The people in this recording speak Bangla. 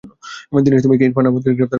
দীনেশ তুমি কি ইরফান আহমেদকে গ্রেফতার করেছ?